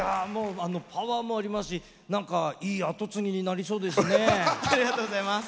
パワーもありますしいい後継ぎになりそうですね。